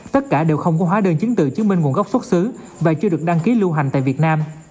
tất cả đều không có hóa đơn chứng từ chứng minh nguồn gốc xuất xứ và chưa được đăng ký lưu hành tại việt nam